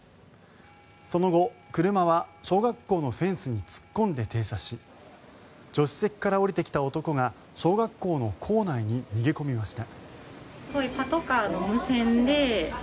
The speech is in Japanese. その後、車は小学校のフェンスに突っ込んで停車し助手席から降りてきた男が小学校の構内に逃げ込みました。